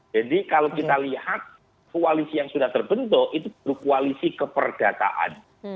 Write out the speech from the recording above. jadi kalau kita lihat koalisi yang sudah terbentuk itu berkoalisi keperdataan